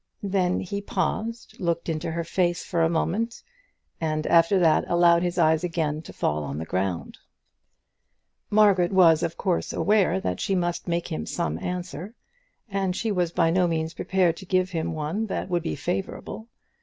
Then he paused, looked into her face for a moment, and after that, allowed his eyes again to fall on the ground. Margaret was, of course, aware that she must make him some answer, and she was by no means prepared to give him one that would be favourable.